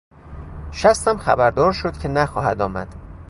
شستم خبردار شد که نخواهد آمد.